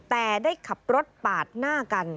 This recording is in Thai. แต่ได้ขับรถปาดหน้ากัน